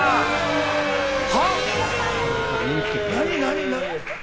何、何？